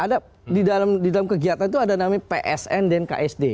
ada di dalam kegiatan itu ada namanya psn dan ksd